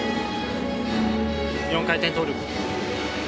４回転トーループ。